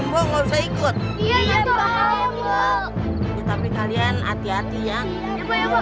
mam kita dapet pola bantuan mak